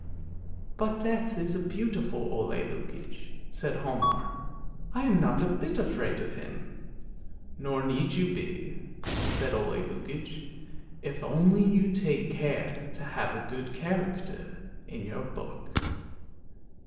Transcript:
" But Death is a beautiful Ole Lukoie," said Hialmar. " I am not a bit afraid of him! " "Nor need you be," said Ole Lukoie; "if only you take care to have a good character in your book."